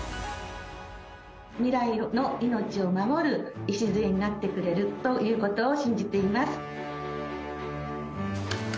未来の命を守る礎になってくれるということを信じています。